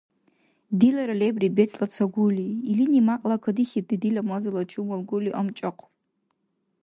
Дилара лебри бецӀла ца гули. Илини мякьла кадихьибти дила мазала чумал гули амчӀахъур.